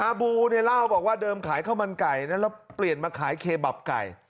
บูเนี่ยเล่าบอกว่าเดิมขายข้าวมันไก่นะแล้วเปลี่ยนมาขายเคบับไก่